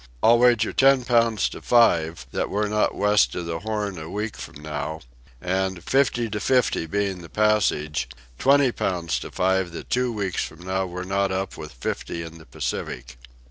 I'll wager ten pounds to five that we're not west of the Horn a week from now; and, fifty to fifty being the passage, twenty pounds to five that two weeks from now we're not up with fifty in the Pacific."